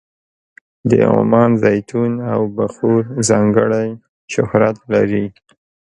د عمان زیتون او بخور ځانګړی شهرت لري.